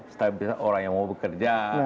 stabilitas orang yang mau bekerja